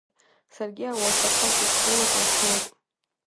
Саргьы ауасақәа сыҽрылакны снеит.